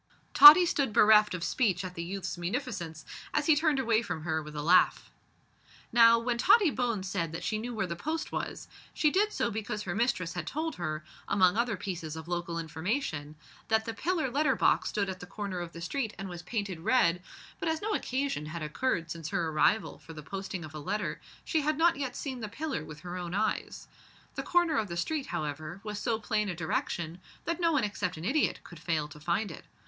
Tottie stood bereft of speech at the youth's munificence, as he turned away from her with a laugh. Now, when Tottie Bones said that she knew where the post was, she did so because her mistress had told her, among other pieces of local information, that the pillar letter box stood at the corner of the street and was painted red; but as no occasion had occurred since her arrival for the posting of a letter, she had not yet seen the pillar with her own eyes. The corner of the street, however, was so plain a direction that no one except an idiot could fail to find it.